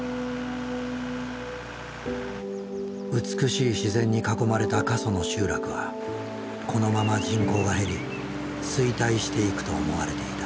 美しい自然に囲まれた過疎の集落はこのまま人口が減り衰退していくと思われていた。